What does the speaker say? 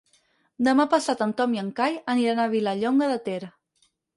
Demà passat en Tom i en Cai aniran a Vilallonga de Ter.